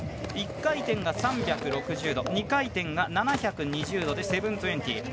１回転が３６０度２回転が７２０度で７２０。